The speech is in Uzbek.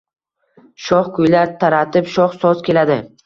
Sho‘x kuylar taratib sho‘x soz keladi